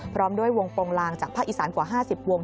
พร้อมด้วยวงโปรงลางจากภาคอีสานกว่า๕๐วง